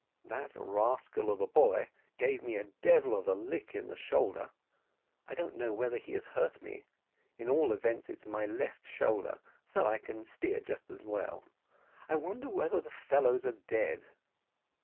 "That rascal of a boy gave me a devil of a lick on the shoulder; I don't know whether he has hurt me at all events it's my left shoulder, so I can steer just as well. I wonder whether the fellows are dead."